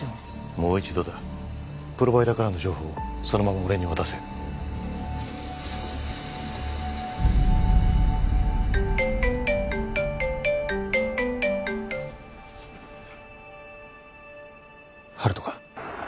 もう一度だプロバイダーからの情報をそのまま俺に渡せ温人か？